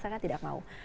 saya tidak mau